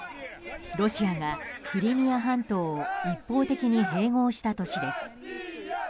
ロシアが、クリミア半島を一方的に併合した年です。